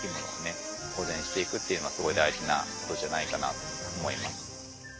保全していくっていうのはすごい大事なことじゃないかなと思います。